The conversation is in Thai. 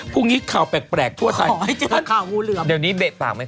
ตอนนี้คว่ำไม่ได้แล้ว